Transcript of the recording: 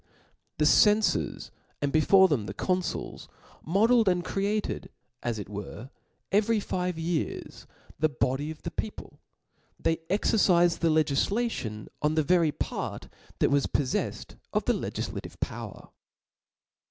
The cenfors, and before them the confuls J, modelled and created, as it were, every five years the body of the people ; they exercifed the legtfla tion on the very part that was poffcfied of the Ic giflative power.